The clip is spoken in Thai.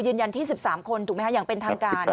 ยืนยันที่๑๓คนถูกไหมคะอย่างเป็นทางการ